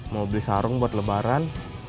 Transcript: mau beli sarung buat lebaran